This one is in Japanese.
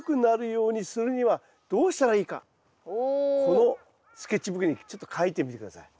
このスケッチブックにちょっと描いてみて下さい。